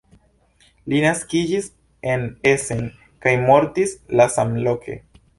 Li naskiĝis en Essen kaj mortis la samloke.